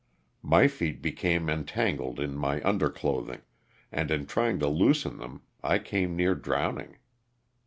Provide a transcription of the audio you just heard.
My feet became entangled in my under clothing, and in trying to loosen them I came near drowning.